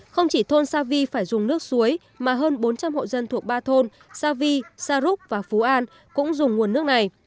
không chỉ thôn xa vi phải dùng nước suối mà hơn bốn trăm linh hộ dân thuộc ba thôn xa vi xa rúc và phú an cũng dùng nguồn nước này